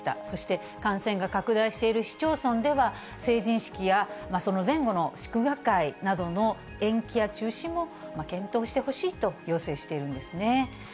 そして、感染が拡大している市町村では、成人式やその前後の祝賀会などの延期や中止も検討してほしいと要請しているんですね。